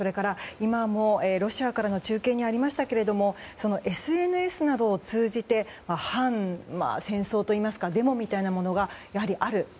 今もロシアからの中継にありましたけどＳＮＳなどを通じて反戦争といいますかデモみたいなものがやはり、ある。